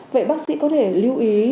vậy bác sĩ có thể lưu ý